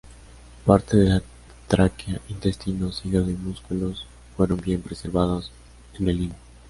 Parte de la tráquea, intestinos, hígado, y músculos fueron bien preservados en el limo.